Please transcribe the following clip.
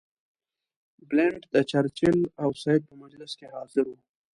بلنټ د چرچل او سید په مجلس کې حاضر وو.